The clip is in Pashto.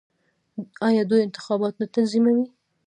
آیا دوی انتخابات نه تنظیموي؟